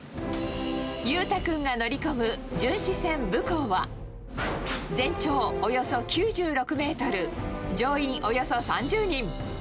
裕太君が乗り込む巡視船ぶこうは、全長およそ９６メートル、乗員およそ３０人。